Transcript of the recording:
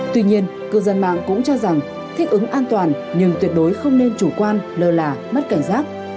tuy nhiên cư dân mạng cũng cho rằng thích ứng an toàn nhưng tuyệt đối không nên chủ quan lơ là mất cảnh giác